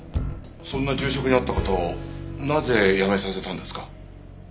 そんな重職にあった方をなぜ辞めさせたんですか？